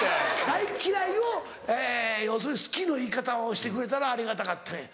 「大嫌い」を要するに「好き」の言い方をしてくれたらありがたかったんや。